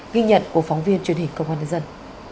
ghi nhận của phóng viên truyền hình công an nhân dân